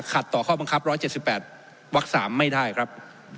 ต่อข้อบังคับ๑๗๘วัก๓ไม่ได้ครับ